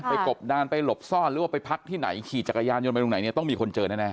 กบดานไปหลบซ่อนหรือว่าไปพักที่ไหนขี่จักรยานยนต์ไปตรงไหนเนี่ยต้องมีคนเจอแน่